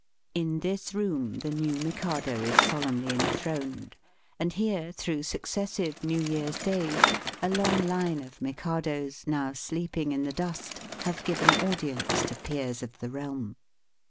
In this room the new Mikado is solemnly enthroned, and here, through successive New Tear's days, a long line of Mikados, now sleeping in the dust, have given audience to peers of the realm.